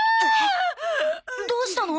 どうしたの？